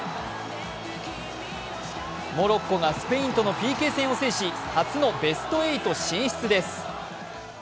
モロッコがスペインとのＰＫ戦を制し初のベスト８進出です。